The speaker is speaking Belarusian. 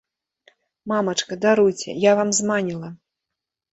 Мамачка, даруйце, я вам зманіла!